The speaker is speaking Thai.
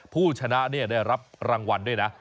ผู้ชนะได้รับรางวัลด้วยนะ